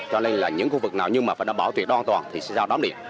cho nên là những khu vực nào nhưng mà phải đảm bảo tuyệt an toàn thì sẽ giao đóng điện